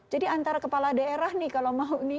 jadi antara kepala daerah nih kalau mau nih